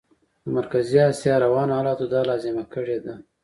د مرکزي اسیا روانو حالاتو دا لازمه کړې ده.